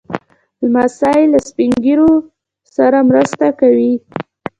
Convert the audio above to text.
لمسی له سپين ږیرو سره مرسته کوي.